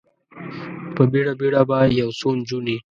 په بیړه، بیړه به یو څو نجونې،